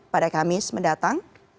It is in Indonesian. pada kamis mendatang